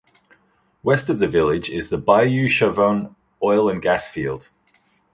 West of the village is the Bayou Chauvin Oil and Gas Field.